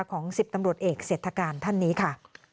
ของ๑๐ตำรวจเอกเศรษฐการท่านนี้ค่ะ